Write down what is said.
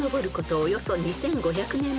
およそ２，５００年前のこの日］